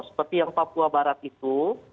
seperti yang papua barat itu